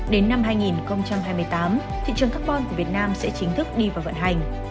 đến năm hai nghìn hai mươi tám thị trường carbon của việt nam sẽ chính thức đi vào vận hành